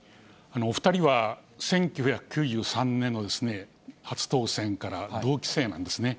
お２人は１９９３年の初当選から同期生なんですね。